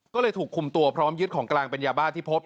ก็เลยถูกคุมตัวพร้อมยึดของกลางเป็นยาบ้าที่พบ